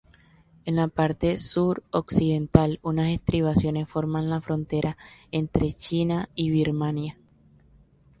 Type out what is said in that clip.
En la parte sur-occidental unas estribaciones forman la frontera entre China y Birmania.